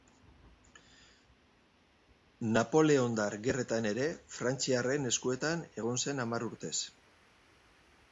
Napoleondar Gerretan ere frantziarren eskuetan egon zen hamar urtez.